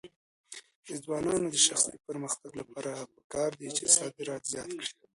د ځوانانو د شخصي پرمختګ لپاره پکار ده چې صادرات زیات کړي.